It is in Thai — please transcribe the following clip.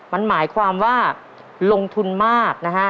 มันหมายความว่าลงทุนมากนะฮะ